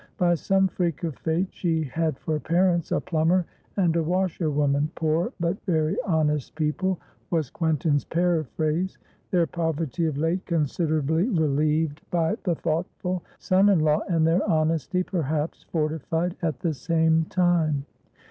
By some freak of fate she had for parents a plumber and a washerwoman"poor but very honest people," was Quentin's periphrase; their poverty of late considerably relieved by the thoughtful son in law, and their honesty perhaps fortified at the same time.